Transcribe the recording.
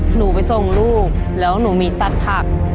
หนูไปส่งลูกแล้วหนูมีตัดผัก